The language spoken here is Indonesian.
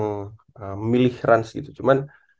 memilih ranz gitu cuman